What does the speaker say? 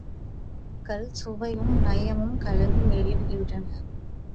கருத்துகள் சுவையும், நயமும் கலந்து மிளிர்கின்றன.